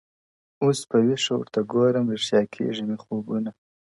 اوس په ویښه ورته ګورم ریشتیا کېږي مي خوبونه!